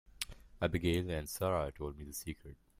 Abigail and Sara told me the secret.